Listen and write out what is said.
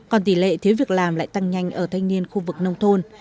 còn tỷ lệ thiếu việc làm lại tăng nhanh ở thanh niên khu vực nông thôn